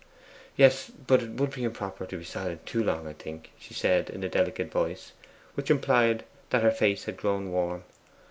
'Yes; but it would be improper to be silent too long, I think,' she said in a delicate voice, which implied that her face had grown warm.